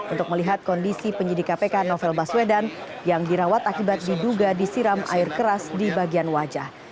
untuk melihat kondisi penyidik kpk novel baswedan yang dirawat akibat diduga disiram air keras di bagian wajah